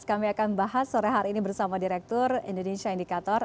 kami akan bahas sore hari ini bersama direktur indonesia indikator